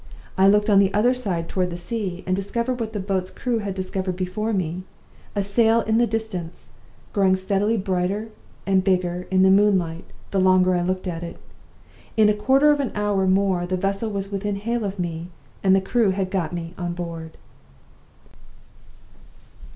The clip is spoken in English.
I looked on the other toward the sea, and discovered what the boat's crew had discovered before me a sail in the distance, growing steadily brighter and bigger in the moonlight the longer I looked at it. In a quarter of an hour more the vessel was within hail of me, and the crew had got me on board.